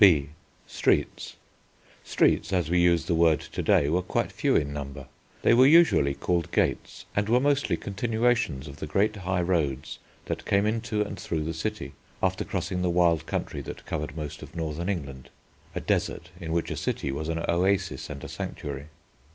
B. STREETS Streets, as we use the word to day, were quite few in number. They were usually called gates and were mostly continuations of the great high roads that came into and through the city, after crossing the wild country that covered most of northern England, a desert in which a city was an oasis and a sanctuary.